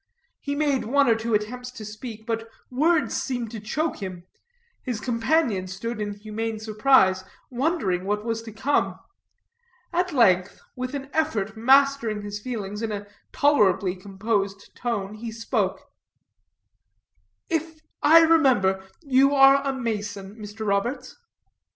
He made one or two attempts to speak, but words seemed to choke him. His companion stood in humane surprise, wondering what was to come. At length, with an effort mastering his feelings, in a tolerably composed tone he spoke: "If I remember, you are a mason, Mr. Roberts?"